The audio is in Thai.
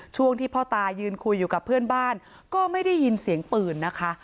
ช่วงที่พ่อตายืนคุยอยู่กับเพื่อนบ้านก็ไม่ได้ยินเสียงปืนนะคะ